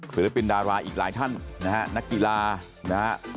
ศิลปินดาราอีกหลายท่านนะฮะนักกีฬานะฮะ